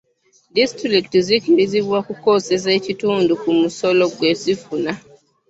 Disitulikiti zikkirizibwa okukozesa ekitundu ku musolo gwe zifuna.